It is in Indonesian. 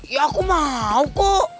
ya aku mau kok